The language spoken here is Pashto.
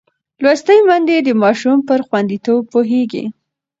لوستې میندې د ماشوم پر خوندیتوب پوهېږي.